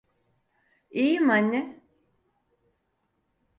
İyiyim anne.